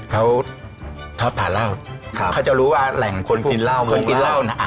เค้าจะรู้ว่าแหล่งคนกินเหร้า